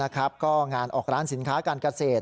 ก็งานออกร้านสินค้าการเกษตร